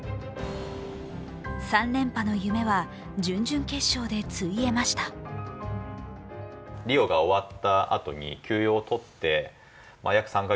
３連覇の夢は準々決勝でついえました。